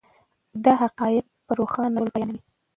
دی حقایق په روښانه ډول بیانوي.